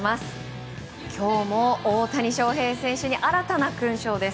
今日も大谷翔平選手に新たな勲章です。